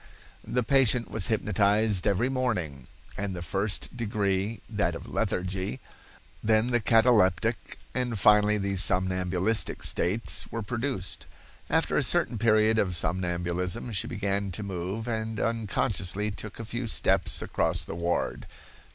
"The patient was hypnotized every morning, and the first degree (that of lethargy), then the cataleptic, and finally the somnambulistic states were produced. After a certain period of somnambulism she began to move, and unconsciously took a few steps across the ward.